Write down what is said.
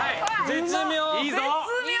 絶妙。